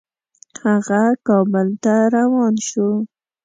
هغه کابل ته روان شو.